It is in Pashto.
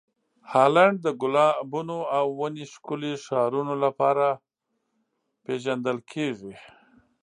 هالنډ د ګلابونو او ونې ښکلې ښارونو لپاره پېژندل کیږي.